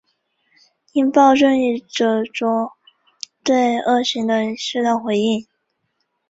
应报正义着重对恶行的适当回应。